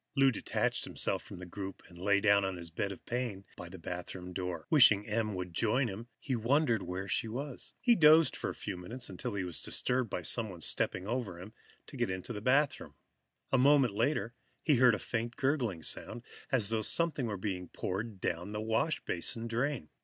Lou detached himself from the group and lay down on his bed of pain by the bathroom door. Wishing Em would join him, he wondered where she was. He dozed for a few moments, until he was disturbed by someone stepping over him to get into the bathroom. A moment later, he heard a faint gurgling sound, as though something were being poured down the washbasin drain.